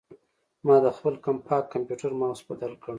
ما د خپل کمپاک کمپیوټر ماؤس بدل کړ.